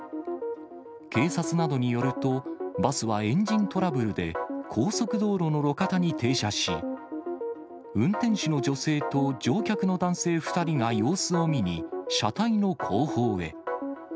警察などによると、バスはエンジントラブルで高速道路の路肩に停車し、運転手の女性と乗客の男性２人が様子を見に、車体の後方へ。